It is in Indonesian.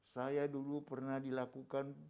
saya dulu pernah dilakukan